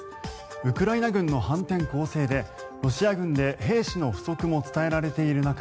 ウクライナ軍の反転攻勢でロシア軍で兵士の不足も伝えられている中